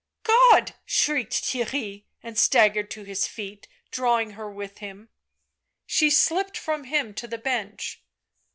..." "God!" shrieked Theirry; and staggered to his feet drawing her with him. She slipped from him to the bench.